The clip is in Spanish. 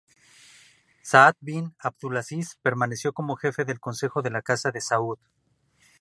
Saad bin Abdulaziz permaneció como jefe del consejo de la Casa de Saud.